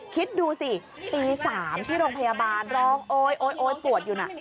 คิดดูสิตี๓ที่โรงพยาบาลร้องโอ๊ยโอ๊ยปวดอยู่น่ะ